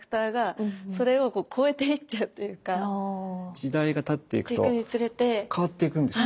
時代がたっていくと変わっていくんですか？